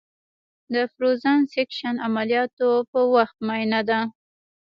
د فروزن سیکشن عملیاتو په وخت معاینه ده.